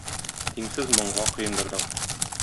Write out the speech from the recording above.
Тиңсез моңга коендырдың